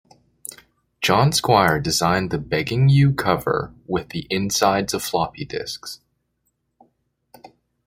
John Squire designed the "Begging You" cover with the insides of floppy disks.